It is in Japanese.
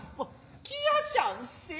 来やしゃんせ。